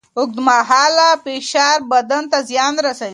اوږدمهاله فشار بدن ته زیان رسوي.